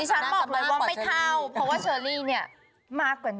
ฉันบอกเลยว่าไม่เข้าเพราะว่าเชอรี่เนี่ยมากกว่านี้